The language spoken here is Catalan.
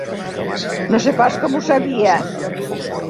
No sé pas com ho sabia